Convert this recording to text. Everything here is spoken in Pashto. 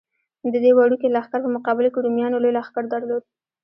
د دې وړوکي لښکر په مقابل کې رومیانو لوی لښکر درلود.